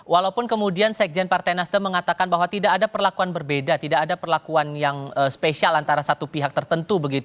walaupun kemudian sekjen partai nasdem mengatakan bahwa tidak ada perlakuan berbeda tidak ada perlakuan yang spesial antara satu pihak tertentu